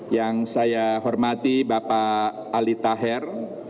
yang saya hormati bapak ali taher